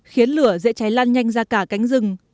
khiến lửa dễ cháy lan nhanh ra cả cánh rừng